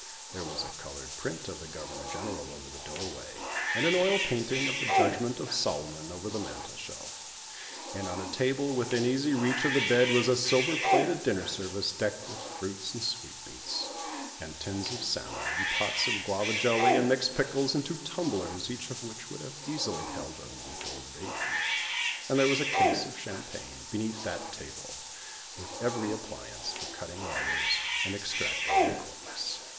There was a coloured print of the Governor General over the doorway, and an oil painting of the Judgment of Solomon over the mantelshelf. And on a table within easy reach of the bed was a silver plated dinner service, decked with fruits and sweetmeats, and tins of salmon, and pots of Guava jelly and mixed pickles, and two tumblers, each of which would have easily held a week old baby. And there was a case of champagne beneath that table, with every appliance for cutting wires and extracting the corks.